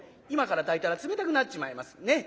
今から炊いたら冷たくなっちまいます。